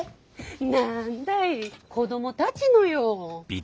何だい子供たちのよ。